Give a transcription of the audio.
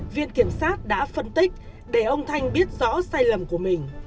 viện kiểm sát đã phân tích để ông thanh biết rõ sai lầm của mình